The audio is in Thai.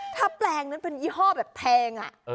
ถ้าแปลงนั้นเป็นยี่ห้อแบบแพง